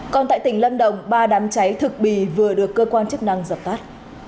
còn tại tỉnh lâm đồng ba đám cháy thực bì vừa được cơ quan chức năng dập tắt